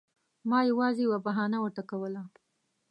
ما یوازې یوه بهانه ورته کوله.